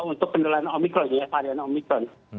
untuk pendulan omikron ya varian omikron